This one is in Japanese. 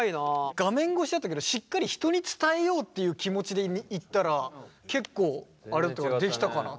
画面越しだったけどしっかり人に伝えようという気持ちで言ったら結構できたかな。